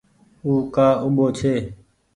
او ڪآ اُوٻو ڇي۔